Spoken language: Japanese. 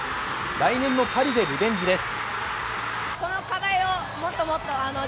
来年のパリでリベンジです。